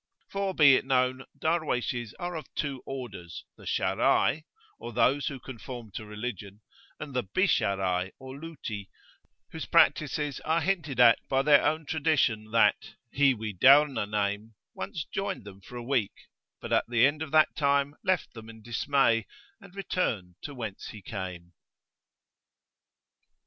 For be it known, Darwayshes are of two orders, the Sharai, or those who conform to religion, and the Bi Sharai, or Luti, whose practices are hinted at by their own tradition that "he we daurna name" once joined them for a week, but at the end of that time left them in dismay, and returned to whence he came.